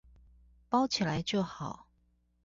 包起來就好